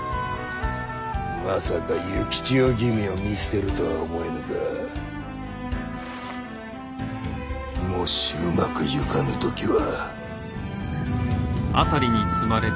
まさか幸千代君を見捨てるとは思えぬがもしうまくゆかぬときは。